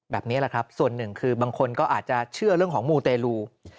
แบบนี้แหละครับส่วนหนึ่งคือบางคนก็อาจจะเชื่อเรื่องของมูเตรลู